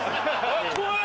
怖い！